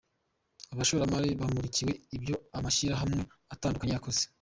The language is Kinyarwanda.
Abashoromari bamurikiwe ibyo amashyirahamwe atandukanye yakoze.